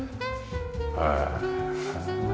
へえ。